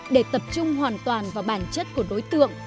để tập trung hoàn toàn vào bản chất của đối tượng